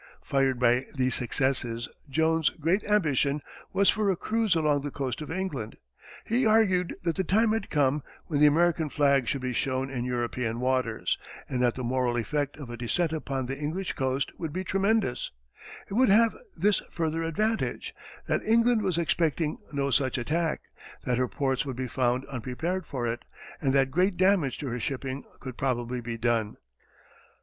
Fired by these successes, Jones's great ambition was for a cruise along the coast of England. He argued that the time had come when the American flag should be shown in European waters, and that the moral effect of a descent upon the English coast would be tremendous. It would have this further advantage, that England was expecting no such attack, that her ports would be found unprepared for it, and that great damage to her shipping could probably be done.